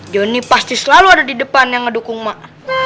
joni pasti selalu ada di depan yang ngedukung mak